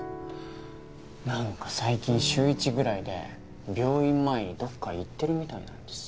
なんか最近週１ぐらいで病院前にどこか行ってるみたいなんですよね。